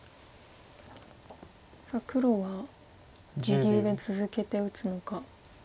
さあ黒は右上続けて打つのか。